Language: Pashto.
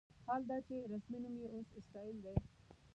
حال دا چې رسمي نوم یې اوس اسرائیل دی.